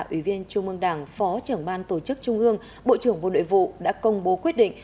ủy viên trung ương đảng phó trưởng ban tổ chức trung ương bộ trưởng bộ nội vụ đã công bố quyết định